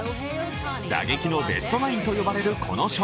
打撃のベストナインと呼ばれるこの賞。